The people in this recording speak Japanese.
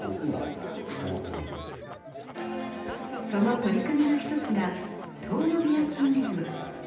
その取り組みの一つが遠野ビアツーリズム。